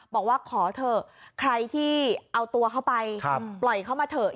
บอกว่าขอเถอะใครที่เอาตัวเข้าไปปล่อยเข้ามาเถอะ